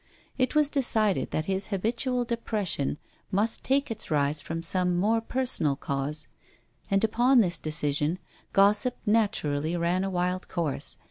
It was decided that his habitual depression must take its rise from some more personal cause, and, upon this decision, gossip naturally ran a wild course.